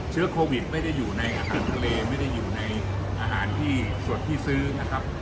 เชื้อโควิดไม่ได้อยู่ในอาหารทะเลไม่ได้อยู่ในอาหารที่ส่วนที่ซื้อนะครับ